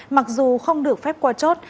mặc dù không được phép qua chốt